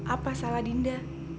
apa salah dinda